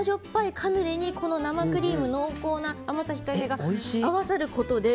カヌレにこの生クリーム濃厚な甘さ控えめが合わさることで。